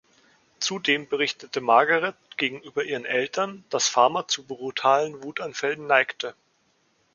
Zudem berichtete Margaret gegenüber ihren Eltern, dass Farmer zu brutalen Wutanfällen neigte.